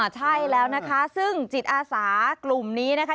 ใช่แล้วนะคะซึ่งจิตอาสากลุ่มนี้นะคะ